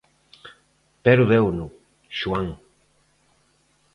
–Pero deuno, Xoán.